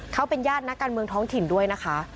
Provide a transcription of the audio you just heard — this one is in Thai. เขาเป็นญาตินักการเมืองท้องถิ่นด้วยนะคะ